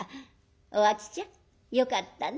お秋ちゃんよかったね。